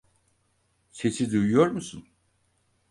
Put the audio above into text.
Sesi duyuyor musun?